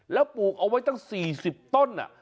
แล้วปลูกเอาไว้ตั้ง๔๐ต้น